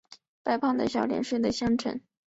白胖的小脸睡的香沉